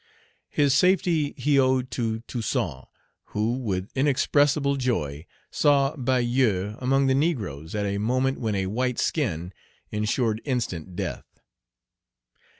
His safety he owed to Toussaint, who, with inexpressible joy, saw Bayou among the negroes at a moment when a white skin insured instant death.